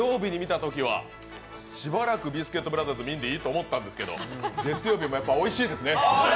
土曜日に見たときはしばらくビスケットブラザーズ見んでいいと思ったんですけど月曜日もやっぱりおいしいですね。